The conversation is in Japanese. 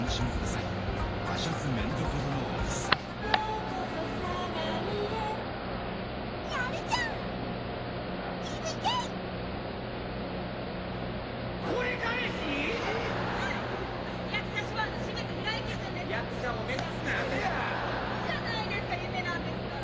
いいじゃないですか夢なんですから。